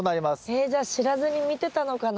えっじゃあ知らずに見てたのかな。